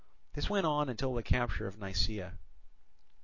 This went on until the capture of Nisaea.